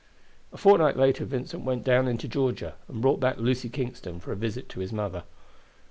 A fortnight later Vincent went down into Georgia and brought back Lucy Kingston for a visit to his mother.